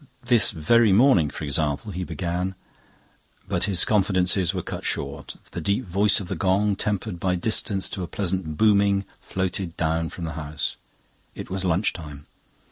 "This very morning, for example..." he began, but his confidences were cut short. The deep voice of the gong, tempered by distance to a pleasant booming, floated down from the house. It was lunch time.